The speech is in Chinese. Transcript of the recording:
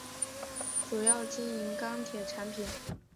主要经营钢铁产品。